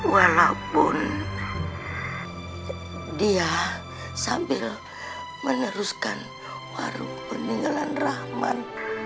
walaupun dia sambil meneruskan warung peninggalan rahman